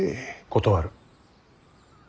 断る。